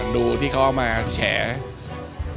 ดูที่เขาเอามาแฉ